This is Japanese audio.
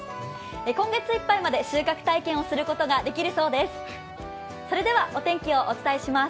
今月いっぱいまで収穫体験をすることができるそうです。